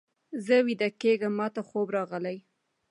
زه ویده کېږم، ماته خوب راغلی.